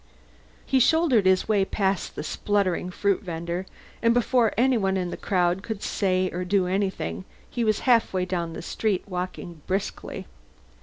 He shouldered his way past the spluttering fruit vender, and before anyone in the crowd could say or do anything he was halfway down the street, walking briskly.